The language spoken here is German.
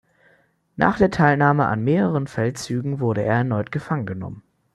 Nach der Teilnahme an mehreren Feldzügen wurde er erneut gefangen genommen.